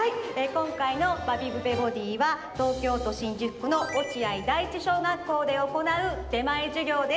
こんかいの「バビブベボディ」は東京都新宿区の落合第一小学校でおこなう出前授業です。